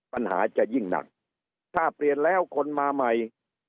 ปัญหาจะยิ่งหนักถ้าเปลี่ยนแล้วคนมาใหม่